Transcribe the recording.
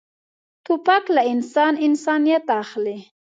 توپک له انسان انسانیت اخلي.